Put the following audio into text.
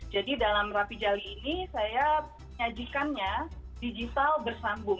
jadi dalam rapi jali ini saya menyajikannya digital bersambung